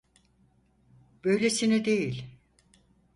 Böylesini değil.